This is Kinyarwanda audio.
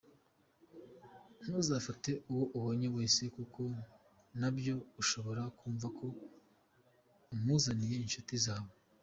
Ntuzafate uwo ubonye wese kuko nabyo ashobora kumva ko umuzaniye inshuti zawe.